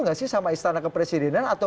nggak sih sama istana kepresidenan atau